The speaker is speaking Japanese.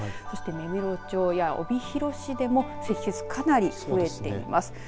そして芽室町や帯広市でも積雪、かなり増えています。